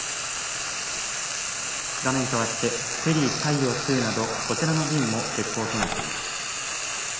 画面かわってフェリー太陽ＩＩなどこちらの覧も欠航となっています。